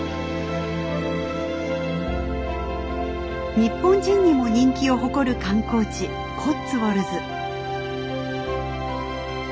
日本人にも人気を誇る観光地コッツウォルズ。